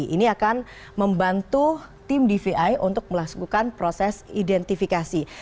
ini akan membantu tim dvi untuk melakukan proses identifikasi